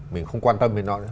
mình không quan tâm với nó nữa